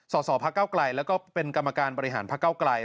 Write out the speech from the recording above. สสภเก้าไกลและก็เป็นกรรมการประหลาดภเก้าไกล